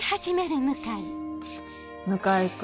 向井君。